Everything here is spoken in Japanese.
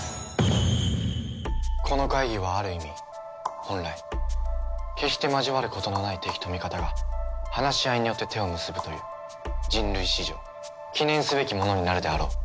この会議はある意味本来決して交わることのない敵と味方が話し合いによって手を結ぶという人類史上記念すべきものになるであろう。